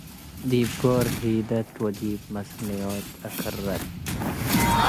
ዲብ ጎር ሂደት ወዲብ መስንዮት ኣክረት።